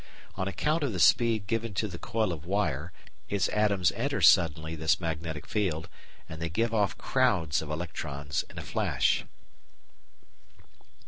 On account of the speed given to the coil of wire its atoms enter suddenly this magnetic field, and they give off crowds of electrons in a flash.